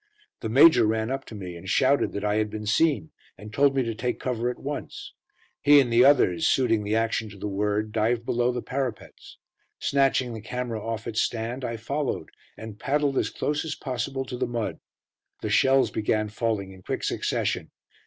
The Major ran up to me and shouted that I had been seen, and told me to take cover at once. He and the others, suiting the action to the word, dived below the parapets. Snatching the camera off its stand, I followed, and paddled as close as possible to the mud. The shells began falling in quick succession.